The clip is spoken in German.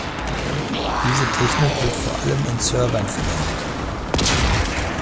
Diese Technik wird vor allem in Servern verwendet.